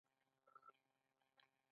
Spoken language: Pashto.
بلخ ته نږدې سیمه کې یې ماتې وخوړه.